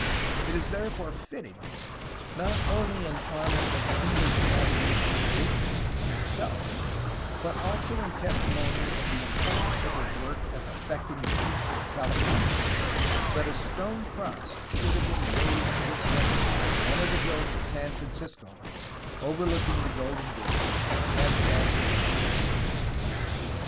It is therefore fitting, not only in honor of the English navigator's great feat in itself, but also in testimony of the importance of his work as affecting the future of California, that a stone cross should have been raised to his memory on one of the hills of San Francisco overlooking the Golden Gate and San Francisco Bay.